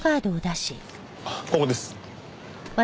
ここです。